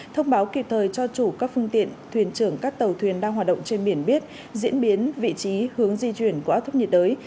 thông báo kịp thời cho chủ các phương tiện thuyền trưởng các tàu thuyền đang hoạt động trên biển biết diễn biến vị trí hướng di chuyển của áp thấp nhiệt đới